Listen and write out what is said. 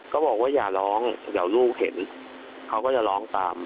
ก็บอกว่าอย่าร้องเดี๋ยวลูกเห็นเขาก็จะร้องตาม